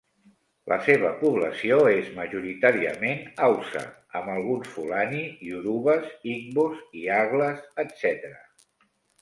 La seva població és majoritàriament haussa amb alguns fulani, iorubes, igbos, iagles, etc.